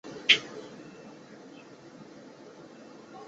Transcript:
细野藤敦是日本战国时代于伊势国的豪族。